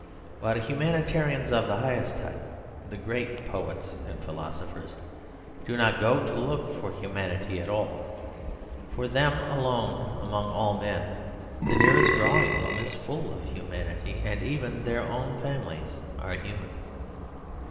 But humanitarians of the highest type, the great poets and philosophers, do not go to look for humanity at all. For them alone among all men the nearest drawing room is full of humanity, and even their own families are human.